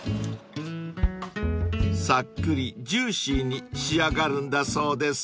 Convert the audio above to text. ［さっくりジューシーに仕上がるんだそうです］